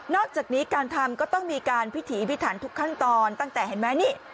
อกจากนี้การทำก็ต้องมีการพิถีพิถันทุกขั้นตอนตั้งแต่เห็นไหมนี่